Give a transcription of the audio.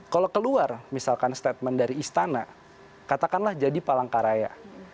kalau keluar misalkan statement dari istana katakanlah jadi palangkaraya